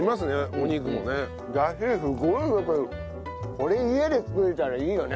これ家で作れたらいいよね。